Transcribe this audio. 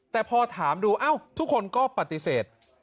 แต่พอถามดูทุกคนก็ปฏิเสธ